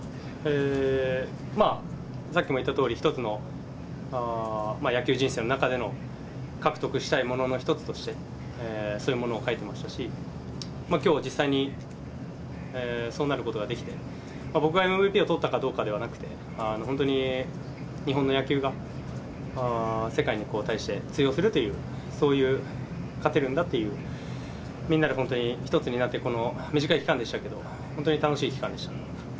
さっきも言ったとおり、一つの野球人生の中での獲得したいものの一つとして、そういうものを書いてましたし、きょう、実際にそうなることができて、僕がＭＶＰをとったかどうかではなくて、本当に日本の野球が、世界に対して通用するという、そういう勝てるんだという、みんなで本当に一つになって、この短い期間でしたけど、本当に楽しい期間でした。